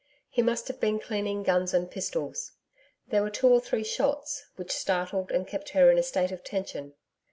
He must have been cleaning guns and pistols. There were two or three shots which startled and kept her in a state of tension.